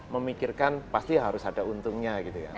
memikirkan pasti harus ada untungnya